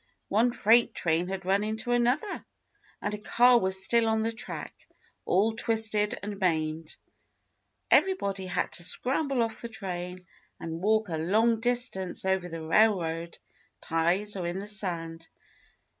One freight train had run into another, and a car was still on the track, all twisted and maimed. Everybody had to scramble off the train and walk a long distance over the railroad ties or in the sand.